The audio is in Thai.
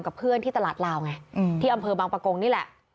กับเพื่อนที่ตลาดลาวไงที่อำเภอบางประกงนี่แหละ